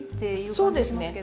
そうですね。